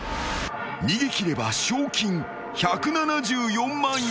［逃げ切れば賞金１７４万円。